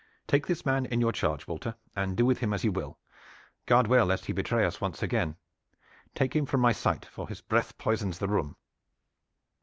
"Take this man in your charge, Walter, and do with him as you will. Guard well lest he betray us once again. Take him from my sight, for his breath poisons the room.